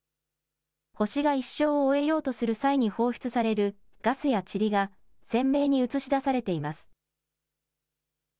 星が一生を終えようとする際に放出されるガスやちりが鮮明に映し出されています。